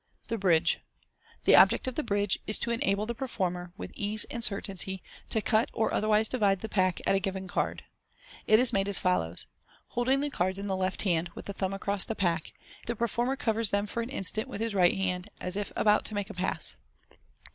The Bridge. — The object of the bridge is to enable the performer, with ease and certainty, to cut or otherwise divide the pack at a given card. It is made as follows: Holding the cards in the left hand, with the thumb across the pack, the per former covers them for an instant with his right hand, as if about to make the pass.